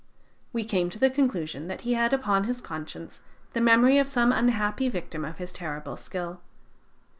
We came to the conclusion that he had upon his conscience the memory of some unhappy victim of his terrible skill.